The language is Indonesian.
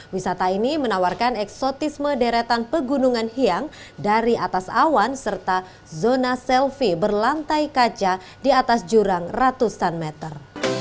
wisata ini menawarkan eksotisme deretan pegunungan hiang dari atas awan serta zona selfie berlantai kaca di atas jurang ratusan meter